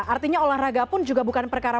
artinya olahraga pun juga bukan perkara